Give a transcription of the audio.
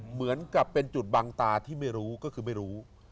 เหมือนกับเป็นจุดบังตาที่ไม่รู้ก็คือไม่รู้